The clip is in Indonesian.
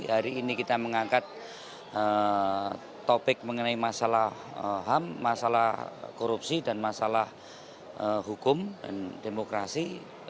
hari ini kita mengangkat topik mengenai masalah ham masalah korupsi dan masalah hukum dan demokrasi